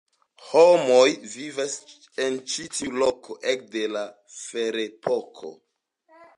Homoj vivis en ĉi tiu loko ekde la ferepoko.